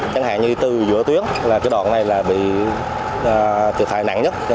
chẳng hạn như từ giữa tuyến là cái đoạn này là bị thiệt hại nặng nhất